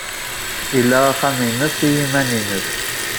Ila axxam-nnes i yiman-nnes.